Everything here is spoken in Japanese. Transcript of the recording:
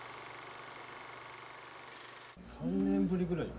３年ぶりぐらい。